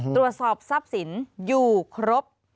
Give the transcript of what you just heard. ตรวจสอบทรัพย์สินอยู่ครบ